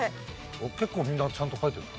おっ結構みんなちゃんと書いてるな。